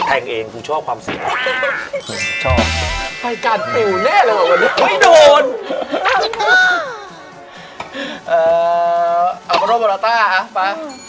อัปมะโรโมเลทาร์